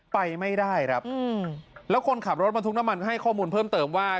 ไปไม่ได้ครับแล้วคนขับรถบรรทุกน้ำมันให้ข้อมูลเพิ่มเติมว่า